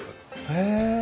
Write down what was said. へえ。